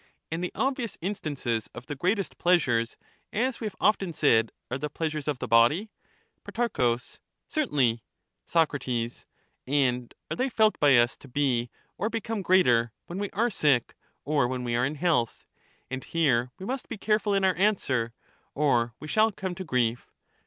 And the obvious instances of the greatest pleasures. The as we have often said, are the pleasures of the body ? greatest ' pleasures Pro. Certainly. are of the Soc. And are they felt by us to be or become greater, ^^^^y* when we are sick or when we are in health? And here healthy, we must be careful in our answer, or we shall come to grief.